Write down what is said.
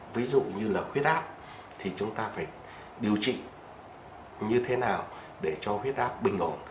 ví dụ như là huyết áp thì chúng ta phải điều trị như thế nào để cho huyết áp bình ổn